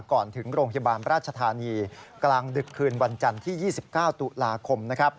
ก่อนถึงโรงพยาบาลราชธานีกลางดึกคืนวันจันทร์ที่๒๙ตุลาคม